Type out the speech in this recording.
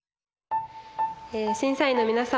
審査員の皆様